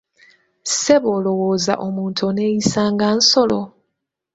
Ssebo olowooza omuntu oneeyisa nga nsolo?